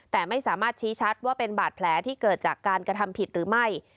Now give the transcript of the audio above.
แต่ไม่สามารถชี้ชัดว่าเป็นบาดแผลที่เกิดจากการกระทำผิดหรือไม่